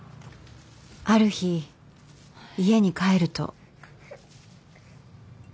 ある日家に帰ると。